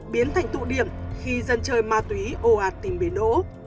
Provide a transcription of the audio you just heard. biến thành tụ điểm khi dân chơi ma túy ồ ạt tìm bế đỗ